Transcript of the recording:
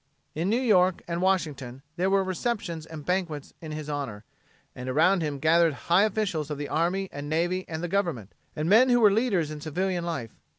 In New York and Washington there were receptions and banquets in his honor, and around him gathered high officials of the army and navy and the Government, and men who were leaders in civilian life.